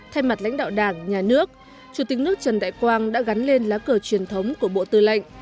thay mặt lãnh đạo đảng nhà nước chủ tịch nước trần đại quang đã gắn lên lá cờ truyền thống của bộ tư lệnh